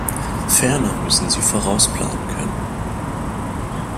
Ferner müssen sie vorausplanen können.